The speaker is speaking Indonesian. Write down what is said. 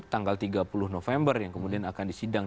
tanggal tiga puluh november yang kemudian akan disidang